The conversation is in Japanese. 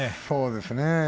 そうですね。